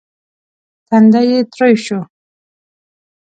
تندی يې تريو شو.